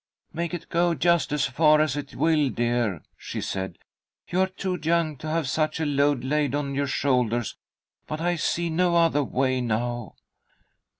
"Make it go just as far as it will, dear," she said. "You are too young to have such a load laid on your shoulders, but I see no other way now."